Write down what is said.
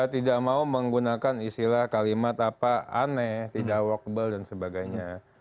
tidak mau menggunakan istilah kalimat apa aneh tidak workable dan sebagainya